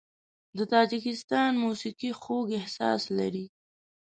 د تاجکستان موسیقي خوږ احساس لري.